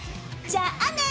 じゃあね！